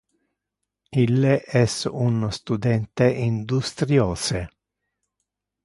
Ille es un studente industriose.